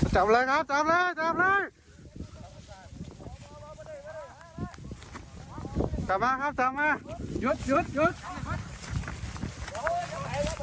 จับเลยครับจับเลยจับเลย